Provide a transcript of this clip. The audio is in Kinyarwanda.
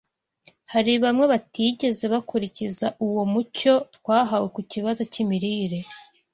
Hari bamwe batigeze bakurikiza uwo mucyo twahawe ku kibazo cy’imirire